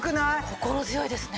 心強いですね。